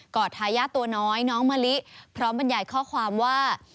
อดทายาทตัวน้อยน้องมะลิพร้อมบรรยายข้อความว่า